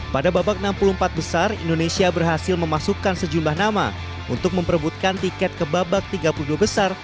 pada babak enam puluh empat besar indonesia berhasil memasukkan sejumlah nama untuk memperebutkan tiket ke babak tiga puluh dua besar